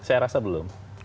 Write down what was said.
saya rasa belum